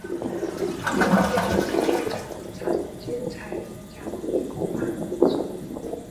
公共电视将这两场演讲的录影公开放送。